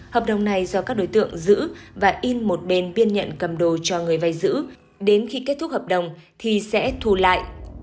hợp đồng này do các đối tượng giữ và in một bên biên nhận cầm đồ cho người vay giữ đến khi kết thúc hợp đồng thì sẽ thu lại